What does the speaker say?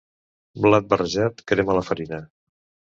Blat barrejat crema la farina.